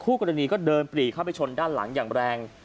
กรณีก็เดินปรีเข้าไปชนด้านหลังอย่างแรง